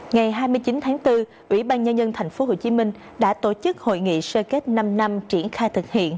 ngày hai mươi chín tháng bốn ủy ban nhân dân thành phố hồ chí minh đã tổ chức hội nghị sơ kết năm năm triển khai thực hiện